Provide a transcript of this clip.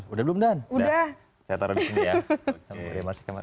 udah udah saya taruh di sini ya oke